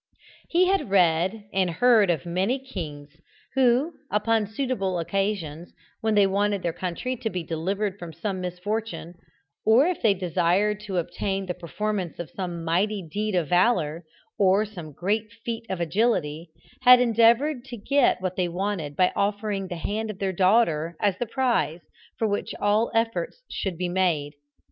He had read and heard of many kings who, upon suitable occasions, when they wanted their country to be delivered from some misfortune, or if they desired to obtain the performance of some mighty deed of valour, or some great feat of agility, had endeavoured to get what they wanted by offering the hand of their daughter as the prize for which all efforts should be made.